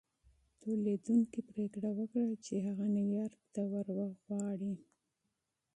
توليدوونکي پرېکړه وکړه چې هغه نيويارک ته ور وغواړي.